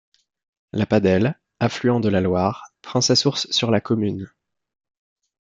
La Padelle, affluent de la Loire, prend sa source sur la commune.